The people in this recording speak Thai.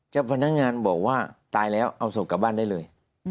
พนักงานบอกว่าตายแล้วเอาศพกลับบ้านได้เลย